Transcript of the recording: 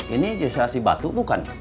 ini jisil asibatu bukan